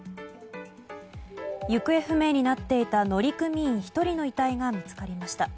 行方不明になっていた乗組員１人の遺体が見つかりました。